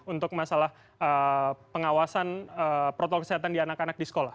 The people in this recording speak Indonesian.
untuk masalah pengawasan protokol kesehatan di anak anak di sekolah